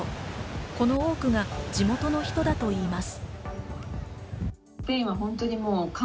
この多くが地元の人だといいます。